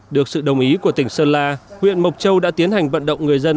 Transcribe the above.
được sự đồng ý của tỉnh sơn la huyện mộc châu đã tiến hành vận động người dân